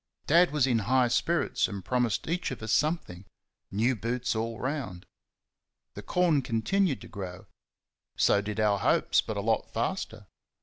Dad was in high spirits and promised each of us something new boots all round. The corn continued to grow so did our hopes, but a lot faster.